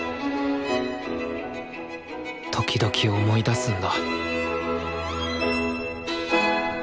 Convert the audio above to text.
時々思い出すんだ。